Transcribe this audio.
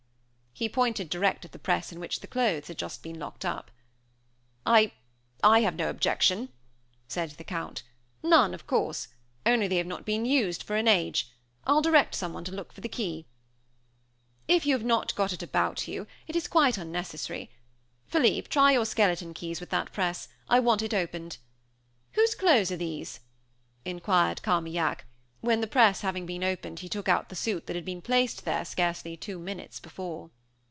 He pointed direct at the press in which the clothes had just been locked up. "I I have no objection," said the Count "none, of course; only they have not been used for an age. I'll direct someone to look for the key." "If you have not got it about you, it is quite unnecessary. Philippe, try your skeleton keys with that press. I want it opened. Whose clothes are these?" inquired Carmaignac, when, the press having been opened, he took out the suit that had been placed there scarcely two minutes since.